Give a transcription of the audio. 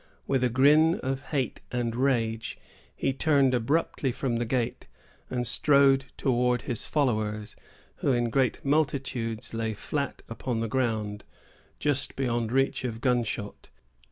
With a grin of hate and rage, he turned abruptly from the gate, and strode towards his followers, who, in great multitudes, lay flat upon the ground, just beyond reach of gunshot.